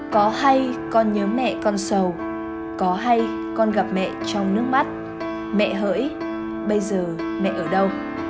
có hay con nhớ mẹ con sầu có hay con gặp mẹ trong nước mắt mẹ hỡi bây giờ mẹ ở đâu